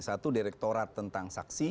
satu direktorat tentang saksi